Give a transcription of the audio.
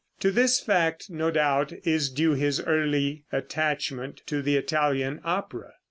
To this fact, no doubt, is due his early attachment to the Italian opera.